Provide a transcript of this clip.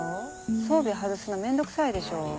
装備外すの面倒くさいでしょ。